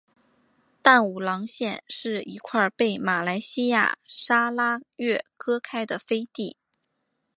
淡武廊县是一块被马来西亚砂拉越割开的飞地。